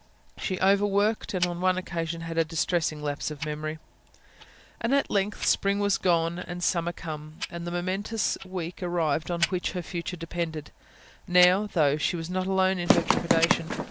She overworked; and on one occasion had a distressing lapse of memory. And at length spring was gone and summer come, and the momentous week arrived on which her future depended. Now, though, she was not alone in her trepidation.